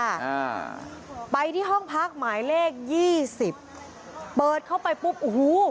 อ่าไปที่ห้องพักหมายเลขยี่สิบเปิดเข้าไปปุ๊บโอ้โห